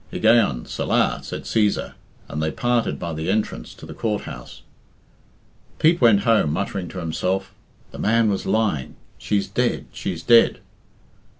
Higgaion. Selah," said Cæsar, and they parted by the entrance to the Court house. Pete went home, muttering to himself, "The man was lying she's dead, she's dead!"